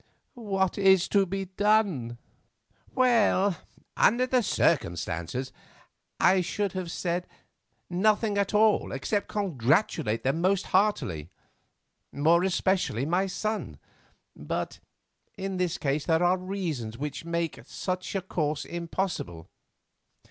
"What is to be done?" "Well, under other circumstances, I should have said, Nothing at all except congratulate them most heartily, more especially my son. But in this case there are reasons which make such a course impossible.